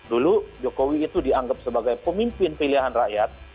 dulu jokowi itu dianggap sebagai pemimpin pilihan rakyat